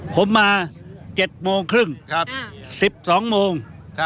ผมมา๗โมงครึ่ง๑๒โมง